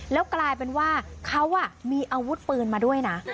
แล้วกลายเป็นว่าเขามีอาวุธปืนมาด้วยนะ